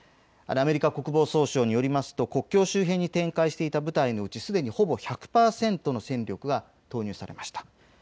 アメリカ国防総省によりますと国境周辺に展開していた部隊のうちすでにほぼ１００％の戦力が投入されました。